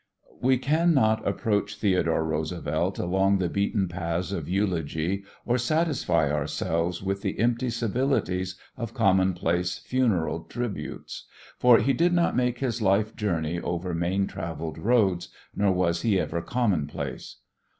We can not approach Theodore Roosevelt along the beaten paths of eulogy or satisfy ourselves with the empty civilities of commonplace funereal tributes, for he did not make his life journey over main traveled roads, nor was he ever commonplace.